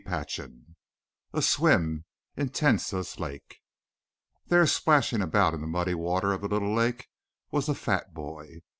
CHAPTER VII A SWIM IN TENSAS LAKE There, splashing about in the muddy water of the little lake, was the fat boy.